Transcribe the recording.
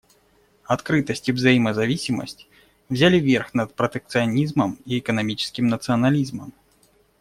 Открытость и взаимозависимость взяли верх над протекционизмом и экономическим национализмом.